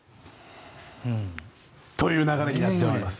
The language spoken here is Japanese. という流れになっております。